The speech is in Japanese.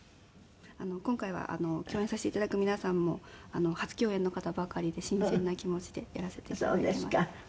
今回は共演させて頂く皆さんも初共演の方ばかりで新鮮な気持ちでやらせて頂いています。